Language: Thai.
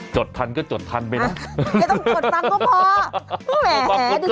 จดทันก็จดทันไปนะอย่าต้องจดทันก็พอ